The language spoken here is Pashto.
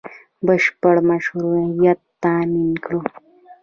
بشپړ مشروعیت تامین کړو